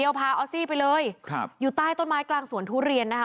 อยู่ใต้ต้นไม้กลางสวนทุเรียนนะฮะ